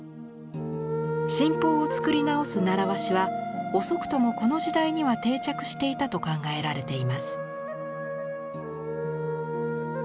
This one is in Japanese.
神宝を作り直す習わしは遅くともこの時代には定着していたと考えられています。